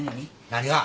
何が！